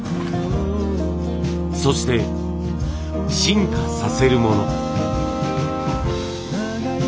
そして進化させるもの。